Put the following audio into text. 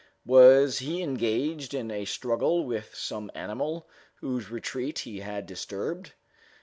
Was he engaged in a struggle with some animal whose retreat he had disturbed?